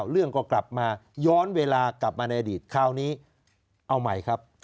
เรื่องก็กลับมาย้อนเวลากลับมาในอดีตคราวนี้เอาใหม่ครับ